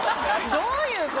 どういう事？